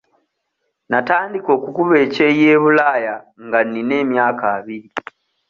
Natandika okukuba ekyeyo e bulaaya nga nina emyaka abiri.